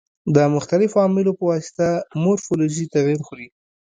د مختلفو عواملو په واسطه مورفولوژي تغیر خوري.